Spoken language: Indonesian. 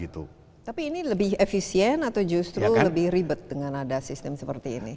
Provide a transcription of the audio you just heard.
tapi ini lebih efisien atau justru lebih ribet dengan ada sistem seperti ini